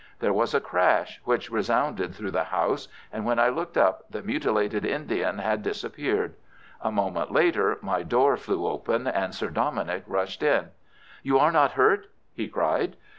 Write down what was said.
There was a crash which resounded through the house, and when I looked up the mutilated Indian had disappeared. A moment later my door flew open and Sir Dominick rushed in. "You are not hurt?" he cried.